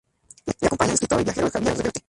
Le acompaña el escritor y viajero Javier Reverte.